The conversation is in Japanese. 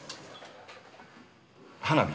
花火？